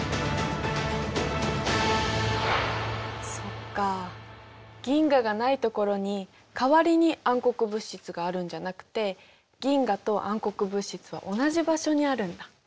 そっか銀河がないところに代わりに暗黒物質があるんじゃなくて銀河と暗黒物質は同じ場所にあるんだ。